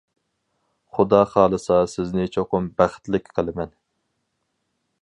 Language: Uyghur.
خۇدا خالىسا سىزنى چوقۇم بەختلىك قىلىمەن!